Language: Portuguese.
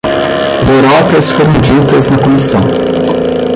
Lorotas foram ditas na comissão